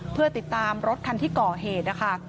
เพื่อติดตามรถคันที่ก่อเหตุนะคะ